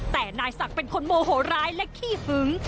แต่นายศักดิ์เป็นคนโมโหร้ายและขี้หึง